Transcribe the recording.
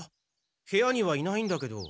部屋にはいないんだけど。